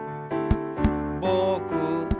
「ぼく」